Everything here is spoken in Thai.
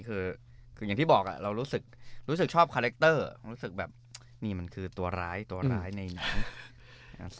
คืออย่างที่บอกเรารู้สึกชอบคาแรคเตอร์รู้สึกแบบนี่มันคือตัวร้ายตัวร้ายในหนัง